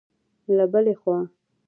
له بلې خوا